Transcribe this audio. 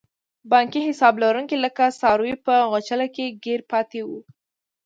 بانکي حساب لرونکي لکه څاروي په غوچله کې ګیر پاتې وو.